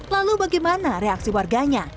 lalu bagaimana reaksi warganya